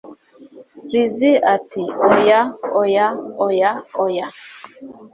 Lizzie ati Oya oya oya oya